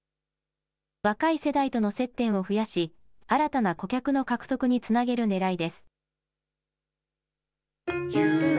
若い世代との接点を増やし、新たな顧客の獲得につなげるねらいです。